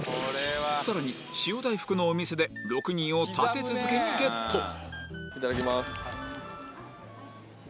さらに塩大福のお店で６人を立て続けにゲットいただきます